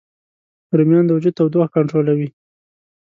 رومیان د وجود تودوخه کنټرولوي